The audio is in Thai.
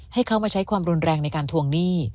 ให้เขามาใช้ความรุนแรงในการทวงหนี้